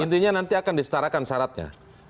intinya nanti akan disetarakan syaratnya